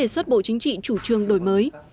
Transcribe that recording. xuất bộ chính trị chủ trương đổi mới